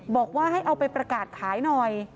บอกว่าให้เอาไปประกาศขายหน่อย